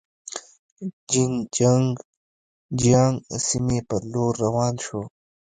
جین چنګ جیانګ سیمې پر لور روان شوو.